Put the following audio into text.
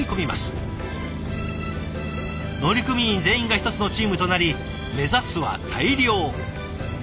乗組員全員が１つのチームとなり目指すは大漁。